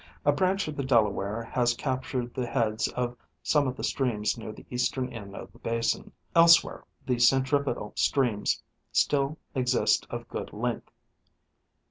A branch of the Delaware has captured the heads of some of the streams near the eastern end of the basin. Elsewhere, the centripetal streams still exist of good length.